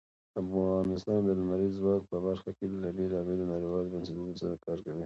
افغانستان د لمریز ځواک په برخه کې له بېلابېلو نړیوالو بنسټونو سره کار کوي.